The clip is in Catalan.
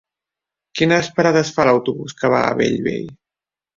Quines parades fa l'autobús que va a Bellvei?